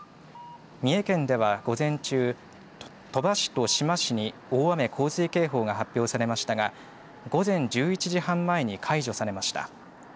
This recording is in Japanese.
三重県では午前中鳥羽市と志摩市に大雨洪水警報が発表されましたが午前１１時半前に解除されました。